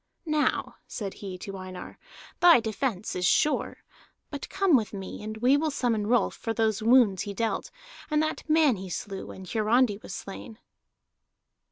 "Now," said he to Einar, "thy defence is sure. But come with me, and we will summon Rolf for those wounds he dealt, and that man he slew, when Hiarandi was slain."